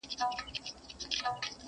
په شل ځله د دامونو د شلولو!.